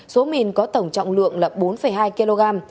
số mìn có tổng trọng lượng là bốn hai kg